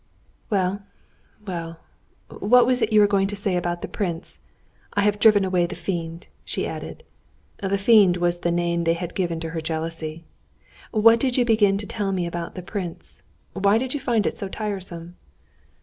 "Well, well, what was it you were going to say about the prince? I have driven away the fiend," she added. The fiend was the name they had given her jealousy. "What did you begin to tell me about the prince? Why did you find it so tiresome?"